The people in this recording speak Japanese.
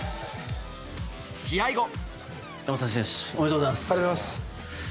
試合後。